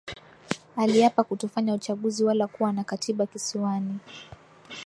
Aliapa kutofanya uchaguzi wala kuwa na Katiba Kisiwani